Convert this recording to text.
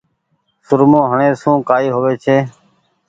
سرمو هڻي سون ڪآئي هووي ڇي۔